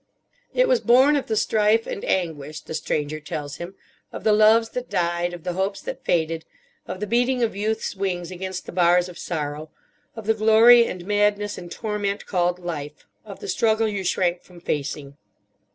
"It was born of the strife and anguish," the Stranger tells him, "of the loves that died, of the hopes that faded, of the beating of youth's wings against the bars of sorrow, of the glory and madness and torment called Life, of the struggle you shrank from facing."